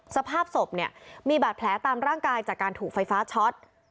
สภาพศพเนี่ยมีบาดแผลตามร่างกายจากการถูกไฟฟ้าช็อต